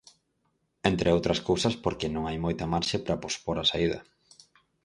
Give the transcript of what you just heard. Entre outras cousas porque non hai moita marxe para pospor a saída.